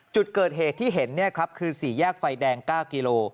จุดเกิดเหตุที่เห็นคือ๔แยกไฟแดง๙กิโล